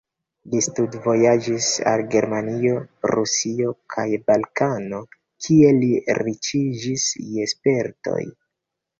Li studvojaĝis al Germanio, Rusio kaj Balkano, kie li riĉiĝis je spertoj.